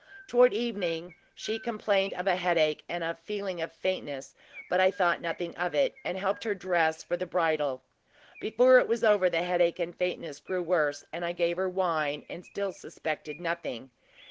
Toward evening she complained of a headache and a feeling of faintness; but I thought nothing of it, and helped her to dress for the bridal. Before it was over, the headache and faintness grew worse, and I gave her wine, and still suspected nothing.